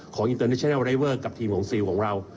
อินเตอร์เนชนัลไรเวอร์กับทีมของซิลของเรา